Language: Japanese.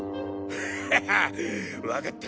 ハハッわかった。